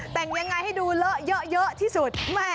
แต่งยังไงให้ดูเลอะเยอะที่สุด